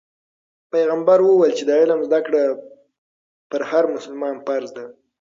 پیغمبر وویل چې د علم زده کړه په هر مسلمان فرض ده.